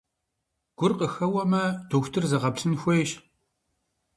Гур къыхэуэмэ, дохутыр зэгъэплъын хуейщ.